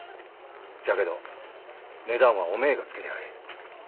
じゃけど値段はおめえがつけりゃあええ。